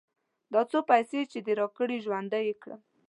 دا څو پيسې چې دې راکړې؛ ژوندی يې کړم.